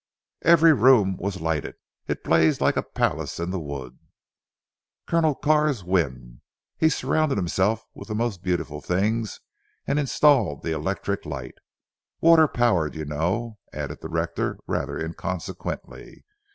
"Every room was lighted. It blazed like a palace in the wood." "Colonel Carr's whim. He surrounded himself with the most beautiful things and installed the electric light. Water power you know," added the rector rather inconsequently.